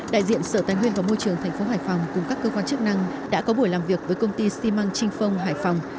đại diện sở tài nguyên và môi trường tp hải phòng cùng các cơ quan chức năng đã có buổi làm việc với công ty xi măng trinh phong hải phòng